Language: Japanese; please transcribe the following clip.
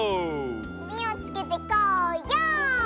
みをつけてこうよう！